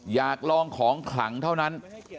อยากลองของขลังเท่านั้น